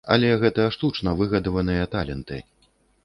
Але гэта штучна выгадаваныя таленты.